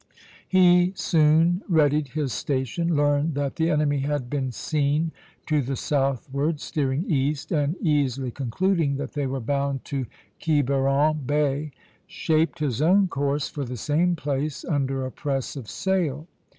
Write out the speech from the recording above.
He soon readied his station, learned that the enemy had been seen to the southward steering east, and easily concluding that they were bound to Quiberon Bay, shaped his own course for the same place under a press of sail.